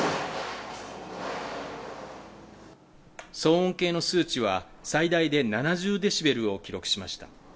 騒音計の数値は、最大で７０デシベルを記録しました。